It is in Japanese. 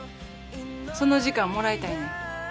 その時間もらいたいねん。